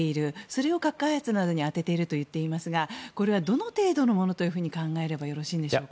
それを核開発などに充てていると言っていますがこれはどの程度のものと考えればよろしいでしょうか？